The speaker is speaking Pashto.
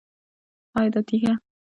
ایا دا تیږه په عملیات وځي؟